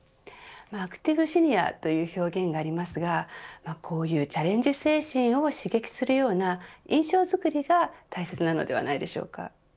アクティブシニアという表現がありますがこういうチャレンジ精神を刺激するような印象作りが大切なのではないでしょうか。